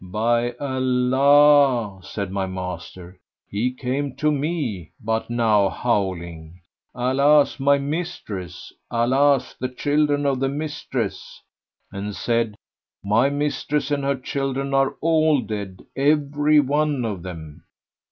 ''' "By Allah," said my master, "he came to me but now howling, 'Alas, my mistress! Alas, the children of the mistress!', and said, 'My mistress and her children are all dead, every one of them!'"